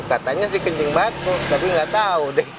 katanya sih kencing batuk tapi nggak tahu deh